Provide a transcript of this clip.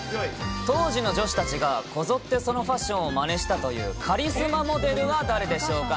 当時の女子たちがこぞって、そのファッションをまねしたという、カリスマモデルは誰でしょうか。